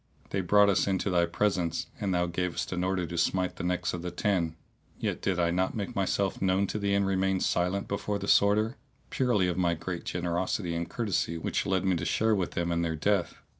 They brought us into thy presence, and thou gavest an order to smite the necks of the ten; yet did I not make myself known to thee and remained silent before the Sworder, purely of my great generosity and courtesy which led me to share with them in their death.